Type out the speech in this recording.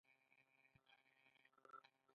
دوی د نفوس او اقتصاد شمیرې ساتي.